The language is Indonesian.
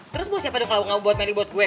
terus buat siapa deh kalau gak buat melly buat gue